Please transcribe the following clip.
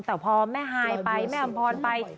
แต่พอแม่ฮายไปแม่อำพรไป